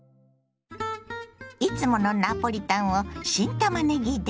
いつものナポリタンを新たまねぎで。